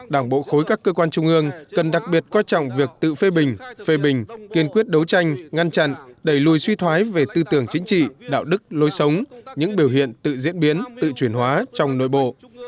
đảng bộ khối các cơ quan trung ương cần đặc biệt coi trọng việc tự phê bình phê bình kiên quyết đấu tranh ngăn chặn đẩy lùi suy thoái về tư tưởng chính trị đạo đức lối sống những biểu hiện tự diễn biến tự chuyển hóa trong nội bộ